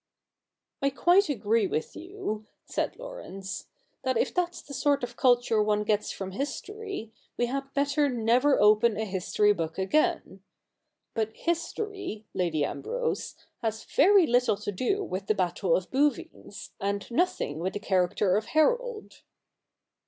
CH. ii] THE NEW REPUBLIC 131 ' I quite agree with you," said Laurence, ' that if that's the sort of culture one gets from history, we had better never open a history book again. But history, Lady Ambrose, has very Httle to do with the Battle of Bou vines, and nothing with the character of Harold.'